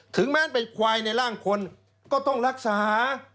ถึงแม้เป็นควายในร่างคนก็ต้องรักษา